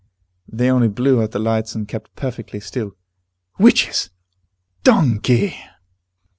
They only blew out the lights and kept perfectly still. Witches! Donkey!